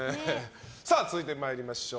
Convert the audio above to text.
続いて参りましょう。